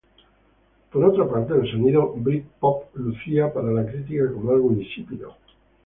Por otra parte el sonido britpop lucía para la crítica como algo "insípido".